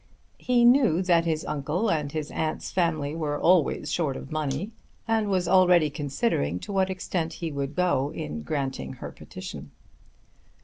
He knew that his uncle and his aunt's family were always short of money, and was already considering to what extent he would go in granting her petition.